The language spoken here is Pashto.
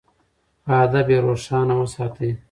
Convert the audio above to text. په ادب یې روښانه وساتئ.